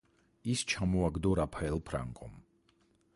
ის ჩამოაგდო რაფაელ ფრანკომ.